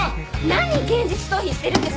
何現実逃避してるんですか！